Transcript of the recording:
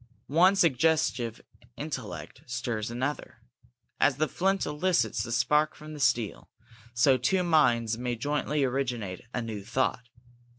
One suggestive intellect stirs another. As the flint elicits the spark from the steel, so two minds may jointly originate a new thought.